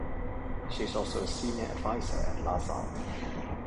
She is also a Senior Adviser at Lazard.